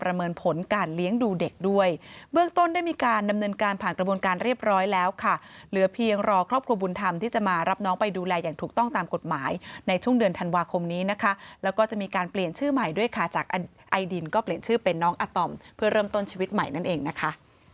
หายในช่วงเดือนธันวาคมนี้นะคะแล้วก็จะมีการเปลี่ยนชื่อใหม่ด้วยค่ะจากไอดินก็เปลี่ยนชื่อเป็นน้องอาตอมเพื่อเริ่มต้นชีวิตใหม่นั่นเองนะคะ